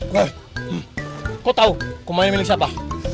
kau tau kumain milik siapa